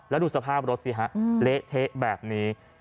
แล้วดูสภาพรถสิฮะเละเทะแบบนี้